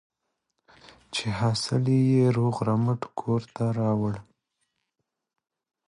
چې حاصل یې روغ رمټ کور ته راوړ.